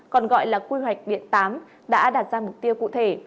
còn gọi là quy hoạch điện tám đã đạt ra mục tiêu cụ thể